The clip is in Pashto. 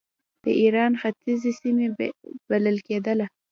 د ایران ختیځې سیمې بلل کېدله.